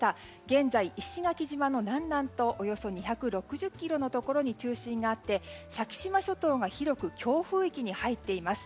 現在、石垣島の南南東およそ２５０ｋｍのところに中心があって、先島諸島が広く強風域に入っています。